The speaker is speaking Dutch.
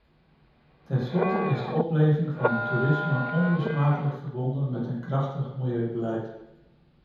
Ten slotte is de opleving van het toerisme onlosmakelijk verbonden met een krachtig milieubeleid.